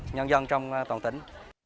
nhân dân trong toàn tỉnh